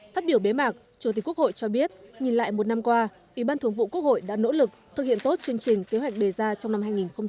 phát biểu bế mạc chủ tịch quốc hội cho biết nhìn lại một năm qua ủy ban thường vụ quốc hội đã nỗ lực thực hiện tốt chương trình kế hoạch đề ra trong năm hai nghìn hai mươi